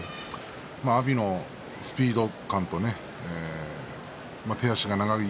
阿炎のスピード感と手足が長い